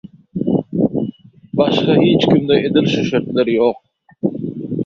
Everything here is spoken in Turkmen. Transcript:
Başga hiçkimde edil şu şertler ýok.